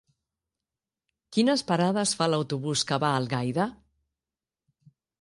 Quines parades fa l'autobús que va a Algaida?